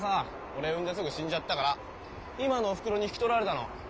俺産んですぐ死んじゃったから今のおふくろに引き取られたの。